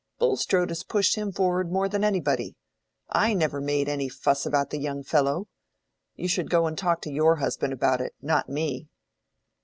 Bulstrode has pushed him forward more than anybody. I never made any fuss about the young fellow. You should go and talk to your husband about it, not me."